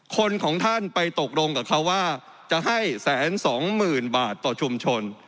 คนของท่านไปตกลงกับเขาว่าจะให้๑๒๐๐๐บาทต่อชุมชน